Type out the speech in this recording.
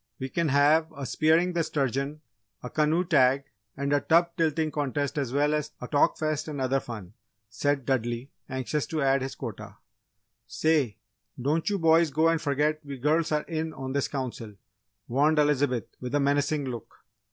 "We can have a 'Spearing the Sturgeon,' a canoe tag, and a tub tilting contest as well as a Talk Fest and other fun!" said Dudley, anxious to add his quota. "Say, don't you boys go and forget we girls are in on this Council!" warned Elizabeth, with a menacing look.